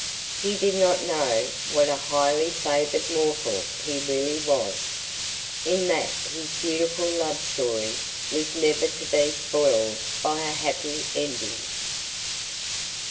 He did not know what a highly favoured mortal he really was, in that his beautiful love story was never to be spoiled by a happy ending.